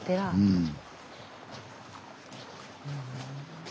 うん。